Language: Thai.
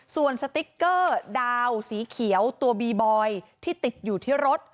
ส่วนสติ๊กเกอร์ดาวสีเขียวตัวบีบอยที่ติดอยู่ที่รถ